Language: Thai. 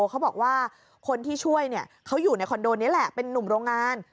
เขาบอกว่าคนที่ช่วยเขาอยู่ในคอนโดนี้แหละเป็นนุ่มโรงงาน